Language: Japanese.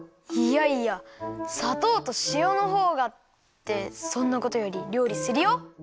いやいやさとうとしおのほうがってそんなことよりりょうりするよ！